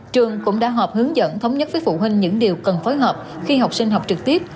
trường cũng đã họp hướng dẫn thống nhất với phụ huynh những điều cần phối hợp khi học sinh học trực tiếp